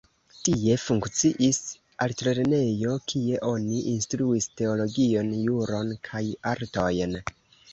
Tie funkciis altlernejo, kie oni instruis teologion, juron kaj artojn.